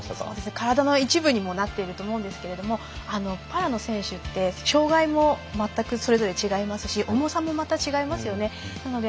体の一部にもなっていると思うんですけれどもパラの選手って障がいも全くそれぞれ違いますし重さもまた違いますよね。